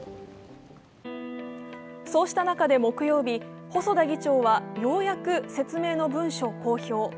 そうした中、木曜日、細田議長はようやく説明の文書を公表。